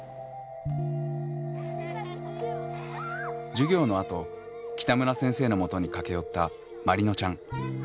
授業のあと北村先生のもとに駆け寄ったまりのちゃん。